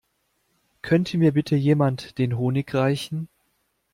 Könnte mir bitte jemand den Honig reichen?